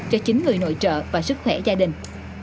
cho chính người nội trợ và sức khỏe gia đình